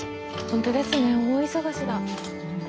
ホントですね大忙しだ。